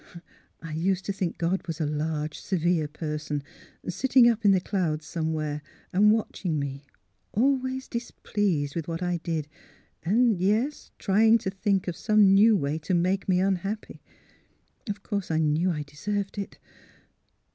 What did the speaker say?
I used to think God was a large, severe person sit ting up in the clouds somewhere and watching me, always displeased with what I did; and, yes — try ing to think of some new way to make me un happy. Of course, I knew I deserved it."